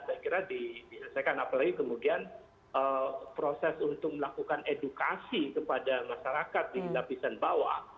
saya kira diselesaikan apalagi kemudian proses untuk melakukan edukasi kepada masyarakat di lapisan bawah